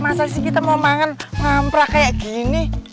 masa sih kita mau makan ngamprah kayak gini